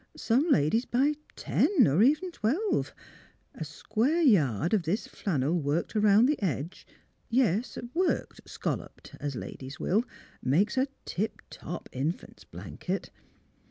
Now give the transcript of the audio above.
Some ladies buy ten, or even twelve. A square yard of this flan nel worked around the edge — yes, worked, scal loped, as ladies will — makes a tip top infant's blanket."